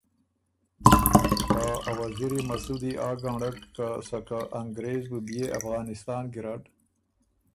خه ا وزیری مسُودی آ ګنړک که سکه انګرېز بُو بيې افغانسان ګیرډ